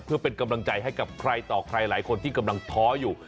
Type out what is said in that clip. เพื่อเป็นกำลังใจให้กับใครต่อใครหลายคนที่กำลังท้ออยู่